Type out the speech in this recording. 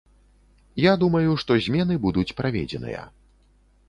Я думаю, што змены будуць праведзеныя.